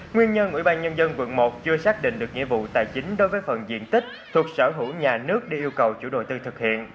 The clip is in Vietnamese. nguyên nhân ủy ban nhân dân quận một chưa xác định được nghĩa vụ tài chính đối với phần diện tích thuộc sở hữu nhà nước để yêu cầu chủ đầu tư thực hiện